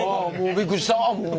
びっくりしたもう！